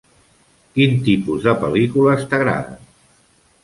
Quin tipus de pel·lícules t'agraden?